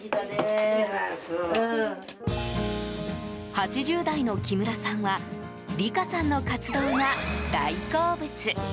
８０代の木村さんは理佳さんのカツ丼が大好物。